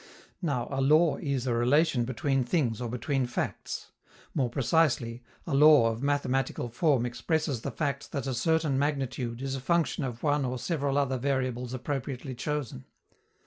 Now, a law is a relation between things or between facts. More precisely, a law of mathematical form expresses the fact that a certain magnitude is a function of one or several other variables appropriately chosen.